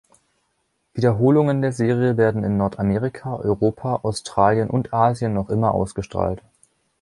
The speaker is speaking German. Wiederholungen der Serie werden in Nordamerika, Europa, Australien und Asien noch immer ausgestrahlt.